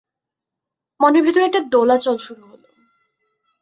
মনের ভেতর একটা দোলাচল শুরু হলো।